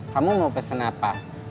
kamu mau pesen apa